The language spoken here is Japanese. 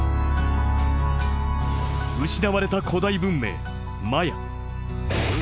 失われた古代文明マヤ。